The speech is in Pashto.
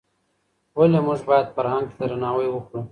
ولي موږ بايد فرهنګ ته درناوی وکړو؟